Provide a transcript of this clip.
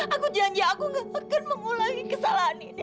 aku janji aku gak akan mengulangi kesalahan ini